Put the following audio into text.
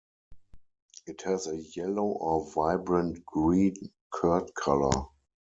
It has a yellow or vibrant green curd color.